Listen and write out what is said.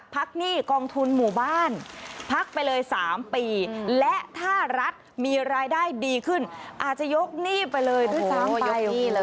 ยกนี่ไปเลยด้วยซ้ำไปโอ้โฮยกนี่เลยนะ